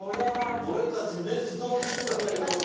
俺たちね素通りしてたんだけども。